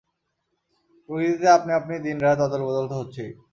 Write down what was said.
প্রকৃতিতে আপনি-আপনি দিনরাত অদলবদল তো হচ্ছেই।